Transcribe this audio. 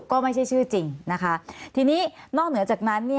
ก็ไม่ใช่ชื่อจริงนะคะทีนี้นอกเหนือจากนั้น